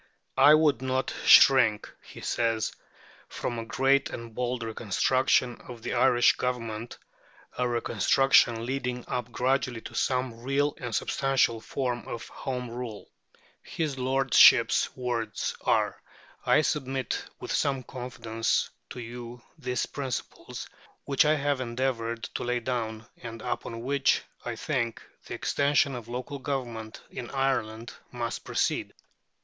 "I would not shrink," he says, "from a great and bold reconstruction of the Irish Government," a reconstruction leading up gradually to some real and substantial form of Home Rule. His Lordship's words are: "I submit with some confidence to you these principles, which I have endeavoured to lay down, and upon which, I think, the extension of Local Government in Ireland must proceed.